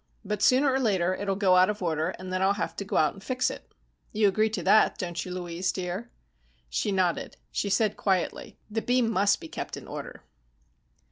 But sooner or later it'll go out of order, and then I'll have to go out and fix it. You agree to that, don't you, Louise, dear?" She nodded. She said quietly, "The beam must be kept in order."